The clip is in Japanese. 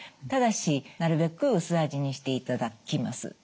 ただしなるべく薄味にしていただきます。